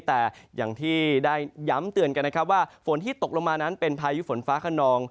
แต่อย่างที่ได้ย้ำเตือนกันนะครับว่าฝนที่ตกลงมานั้นเป็นพายุฝนฟ้าขนอง